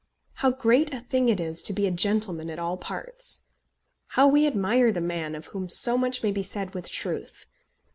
How great a thing it is to be a gentleman at all parts! How we admire the man of whom so much may be said with truth!